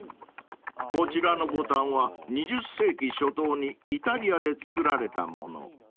［こちらのボタンは２０世紀初頭にイタリアで作られたもの］